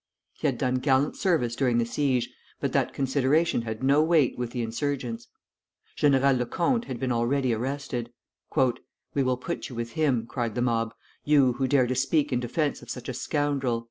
He had done gallant service during the siege; but that consideration had no weight with the insurgents. General Lecomte had been already arrested. "We will put you with him," cried the mob, "you, who dare to speak in defence of such a scoundrel."